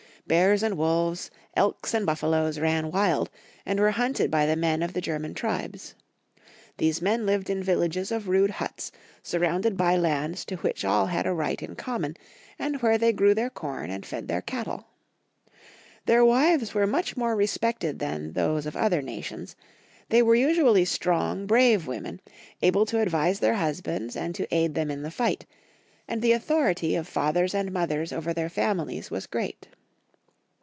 Bears and wolves, elks and buffaloes, ran wild, and were hunted by the men of the German tribes. These men lived in villages of rude huts, surrounded by lands to which all had a right in common, and where they grew their corn and fed their cattle. Their wives were much more respected than those of other nations ; they were usually strong, brave women, able to advise their husbands and to aid them in the fight ; and the authority of fathers and mothers over their families was great.